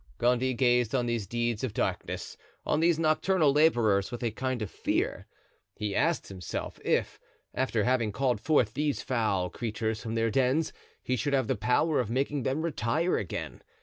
Gondy gazed on these deeds of darkness, on these nocturnal laborers, with a kind of fear; he asked himself, if, after having called forth these foul creatures from their dens, he should have the power of making them retire again.